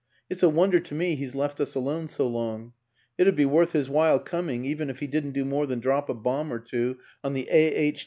It's a wonder to me he's left us alone so long; it 'ud be worth his while coming even if he didn't do more than drop a bomb or two on the A. H.